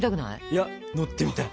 いや乗ってみたい！